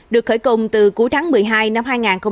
được khởi công từ cuối tháng một mươi hai năm hai nghìn hai mươi một